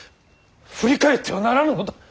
振り返ってはならぬのだ。